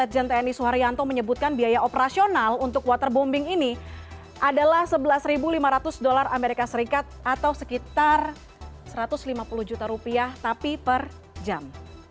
bnpb suharyanto menyebutkan biaya operasional untuk waterbombing ini adalah rp sebelas lima ratus dolar as atau sekitar rp satu ratus lima puluh juta tapi per jam